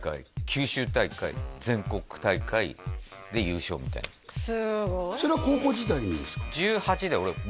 九州大会全国大会で優勝みたいなすごいそれは高校時代にですか？